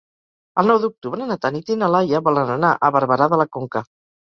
El nou d'octubre na Tanit i na Laia volen anar a Barberà de la Conca.